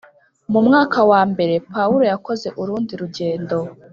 mu mwaka wa nbere pawulo yakoze urundi rugendo